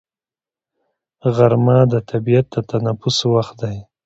غرمه د طبیعت د تنفس وخت دی